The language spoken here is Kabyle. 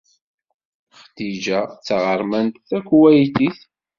Xdija d taɣermant takuwaytit.